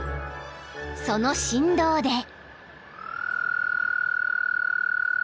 ［その振動で］